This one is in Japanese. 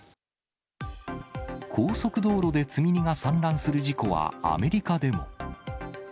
高速道路で積み荷が散乱する事故はアメリカでも。